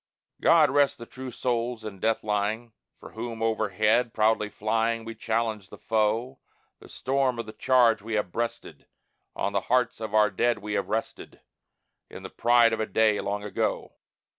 God rest the true souls in death lying, For whom overhead proudly flying We challenged the foe. The storm of the charge we have breasted, On the hearts of our dead we have rested, In the pride of a day, long ago.